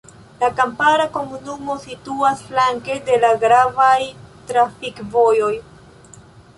La kampara komunumo situas flanke de la gravaj trafikvojoj.